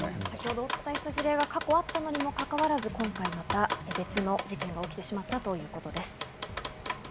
先ほどお伝えした事例が過去あったらにもかかわらず、今回また別の事件が起きてしまいました。